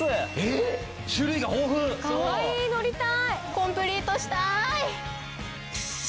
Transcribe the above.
コンプリートしたい！